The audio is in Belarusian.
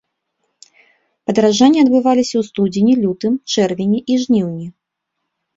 Падаражанні адбываліся ў студзені, лютым, чэрвені і жніўні.